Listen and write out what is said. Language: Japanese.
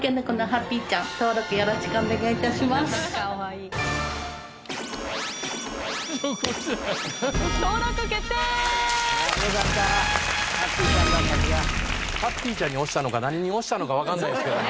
ハッピーちゃんに押したのか何に押したのかわからないですけども。